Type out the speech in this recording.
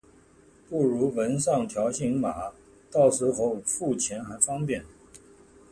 不如纹上条形码，到时候付钱还方便